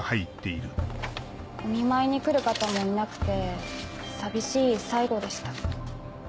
お見舞いに来る方もいなくて寂しい最期でした。